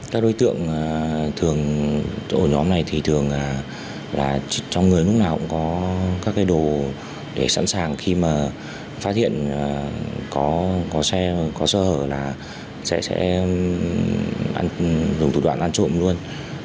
các đối tượng thường ổ nhóm này thì thường là trong người lúc nào cũng có các cái đồ để sẵn sàng khi mà phát hiện có xe có sơ hở là sẽ dùng thủ đoạn ăn trộm luôn